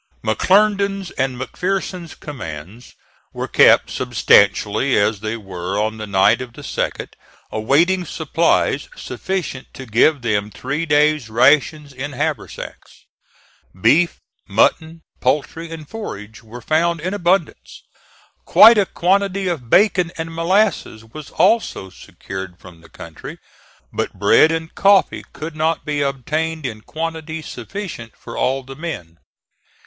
McClernand's and McPherson's commands were kept substantially as they were on the night of the 2d, awaiting supplies sufficient to give them three days' rations in haversacks. Beef, mutton, poultry and forage were found in abundance. Quite a quantity of bacon and molasses was also secured from the country, but bread and coffee could not be obtained in quantity sufficient for all the men.